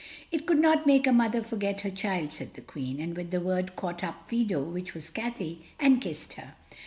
"It could not make a mother forget her child," said the Queen, and with the word caught up Fido which was Cathay and kissed her.